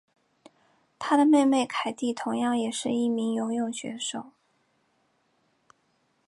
她的妹妹凯蒂同样也是一名游泳选手。